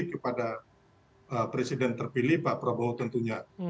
kepada presiden terpilih pak prabowo tentunya